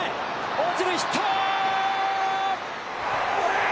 落ちる、ヒット！